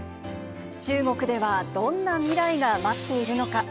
中国ではどんな未来が待っているのか。